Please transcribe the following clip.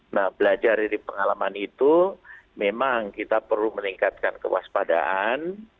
nah belajar dari pengalaman itu memang kita perlu meningkatkan kewaspadaan